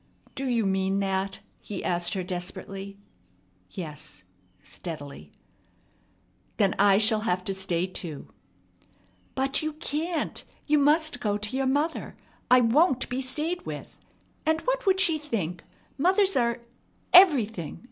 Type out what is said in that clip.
"Do you mean that?" he asked her desperately. "Yes," steadily. "Then I shall have to stay too." "But you can't! You must go to your mother. I won't be stayed with. And what would she think? Mothers are everything!"